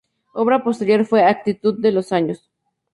Obra posterior fue "Actitud de los años".